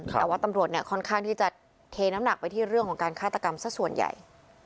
แต่ว่าตำรวจเนี่ยค่อนข้างที่จะเทน้ำหนักไปที่เรื่องของการฆาตกรรมสักส่วนใหญ่